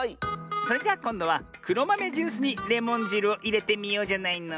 それじゃこんどはくろまめジュースにレモンじるをいれてみようじゃないの。